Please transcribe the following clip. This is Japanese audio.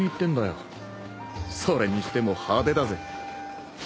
それにしても派手だぜ。